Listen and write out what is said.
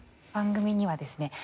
番組にはですね